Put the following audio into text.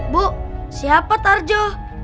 bu siapa tarjo